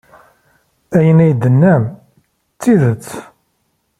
Ayen ay d-tennam d tidet.